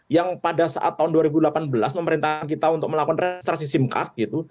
yang pada saat tahun dua ribu delapan belas pemerintah kita untuk melakukan restrasi sim card gitu